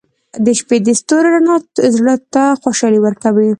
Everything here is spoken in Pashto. • د شپې د ستورو رڼا زړه ته خوشحالي ورکوي.